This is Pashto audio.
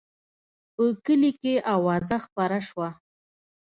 په کلي کې اوازه خپره شوه.